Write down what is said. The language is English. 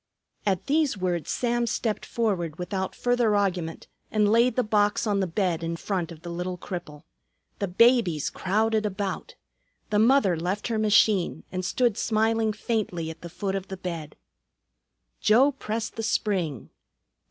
At these words Sam stepped forward without further argument and laid the box on the bed in front of the little cripple. The babies crowded about. The mother left her machine and stood smiling faintly at the foot of the bed. Joe pressed the spring.